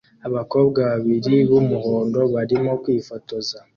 Abakobwa babiri b'umuhondo barimo kwifotoza